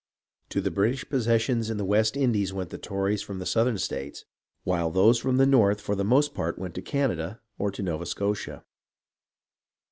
To the British possessions in the West Indies went the Tories from the southern states, while those from the north for the most part went to Canada or to Nova Scotia.